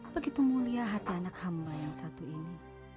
begitu mulia hati anak hamba yang satu ini